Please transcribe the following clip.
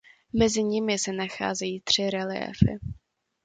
Mezi nimi se nacházejí tři reliéfy.